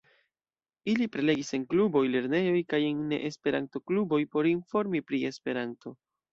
Ili prelegis en kluboj, lernejoj kaj en ne esperanto-kluboj por informi pri esperanto.